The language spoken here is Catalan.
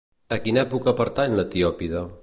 A quina època pertany l'Etiòpida?